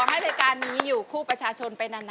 ขอให้เวลากานนี้อยู่คู่ประชาชนไปนาน